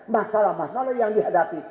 masalah masalah yang dihadapi